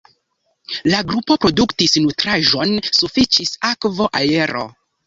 La grupo produktis nutraĵon, sufiĉis akvo, aero.